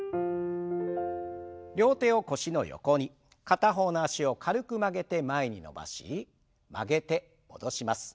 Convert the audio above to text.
片方の脚を軽く曲げて前に伸ばし曲げて戻します。